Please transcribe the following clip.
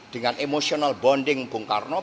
dengan emotional bonding bung karno